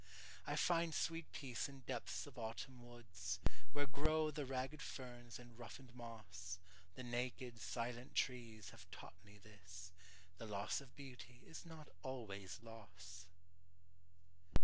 I find sweet peace in depths of autumn woods, Where grow the ragged ferns and roughened moss; The naked, silent trees have taught me this,—The loss of beauty is not always loss!